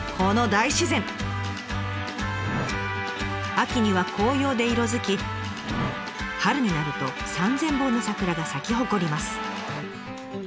秋には紅葉で色づき春になると３，０００本の桜が咲き誇ります。